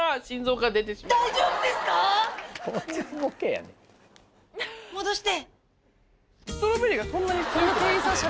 大丈夫ですか⁉戻して。